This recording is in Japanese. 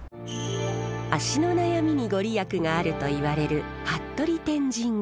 足の悩みに御利益があるといわれる服部天神宮。